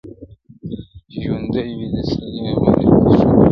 چي ژوندی وي د سړي غوندي به ښوري٫